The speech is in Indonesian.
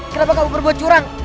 kenapa kau berbuat curang